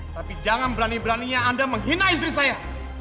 tapi jangan berani beraninya anda menghina istri saya